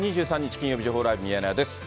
金曜日、情報ライブミヤネ屋です。